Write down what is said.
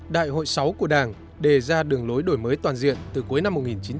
đội sáu của đảng đề ra đường lối đổi mới toàn diện từ cuối năm một nghìn chín trăm tám mươi sáu